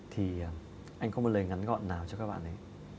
thì anh có một lời ngắn gọn nào cho các bạn ấy